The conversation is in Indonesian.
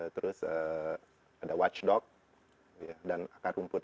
terus ada watchdog dan akar rumput